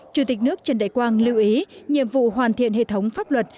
chủ tịch nước trần đại quang lưu ý nhiệm vụ hoàn thiện hệ thống pháp luật